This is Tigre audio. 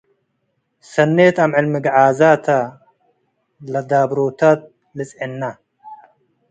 ሰኔት አምዕል ምግዓዛታ - ለዳብሮታት ልጽዕና